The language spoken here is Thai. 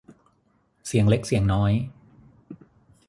เสียงเล็กเสียงน้อย